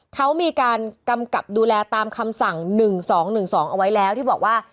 เขามีการกำกับดูแลตามคำสั่ง๑๒๑๒เอาไว้แล้วที่บอกว่า